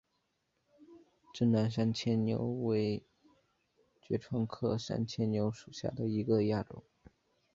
滇南山牵牛为爵床科山牵牛属下的一个亚种。